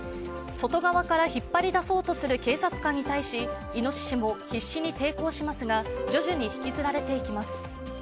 外側から引っ張り出そうとする警察官に対しイノシシも必死に抵抗しますが徐々に引きずられていきます。